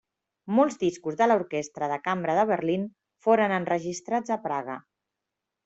Molts discos de l'Orquestra de Cambra de Berlín foren enregistrats a Praga.